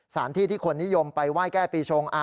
สารที่ที่คนนิยมไปว่ายแก้ปีชง